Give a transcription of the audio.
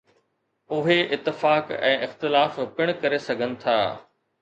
اهي اتفاق ۽ اختلاف پڻ ڪري سگهن ٿا.